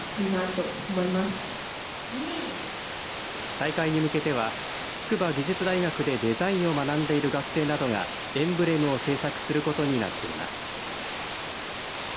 大会に向けては筑波技術大学でデザインを学んでいる学生などがエンブレムを制作することになっています。